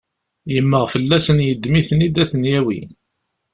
Yemmeɣ fell-asen yeddem-iten-id ad ten-yawi.